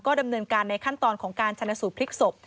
ดำเนินการในขั้นตอนของการชนะสูตรพลิกศพ